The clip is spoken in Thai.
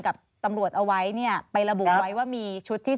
กับตำรวจเอาไว้